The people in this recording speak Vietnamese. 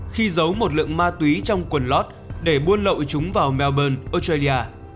khi giấu một lượng ma túy trong quần lót để buôn lậu chúng vào melbourne australia